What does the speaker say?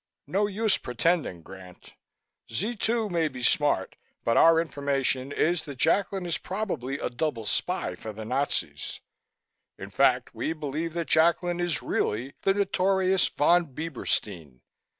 No use pretending, Grant. Z 2 may be smart but our information is that Jacklin is probably a double spy for the Nazis. In fact, we believe that Jacklin is really the notorious Von Bieberstein.